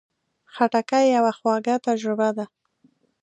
خټکی یوه خواږه تجربه ده.